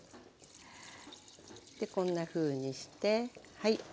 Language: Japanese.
こんなふうにしてはい。